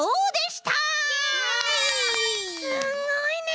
すごいね！